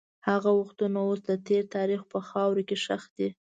هغه وختونه اوس د تېر تاریخ په خاوره کې ښخ دي.